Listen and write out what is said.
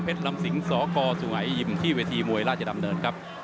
เพชรรมสิงห์สกสุงหายิมที่วิธีมวยราชดำเนิน